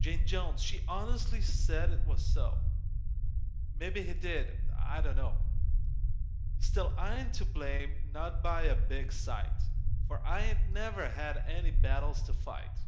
Jane Jones she honestly said it was so! Mebbe he did I dunno! Still I ain't to blame, not by a big sight, For I ain't never had any battles to fight.